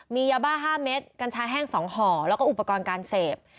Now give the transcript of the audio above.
มียาบ้า๕เม็ดกัญชาแห้ง๒ห่อแล้วก็อุปกรณ์การเสพ